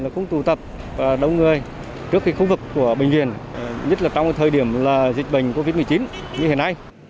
không tụ tập đông người trước khu vực của bệnh viện nhất là trong thời điểm dịch bệnh covid một mươi chín như hiện nay